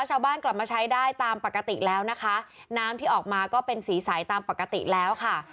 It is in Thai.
กลับมาใช้ได้ตามปกติแล้วนะคะน้ำที่ออกมาก็เป็นสีใสตามปกติแล้วค่ะ